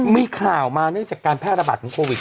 มีข่าวมาเนื่องจากการแพร่ระบาดของโควิด